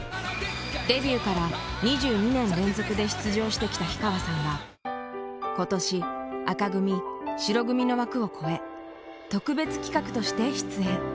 デビューから２２年連続で出場してきた氷川さんは今年紅組白組の枠を超え特別企画として出演。